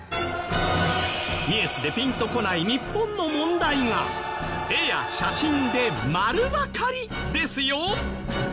ニュースでピンと来ない日本の問題が絵や写真で丸わかりですよ。